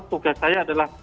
tugas saya adalah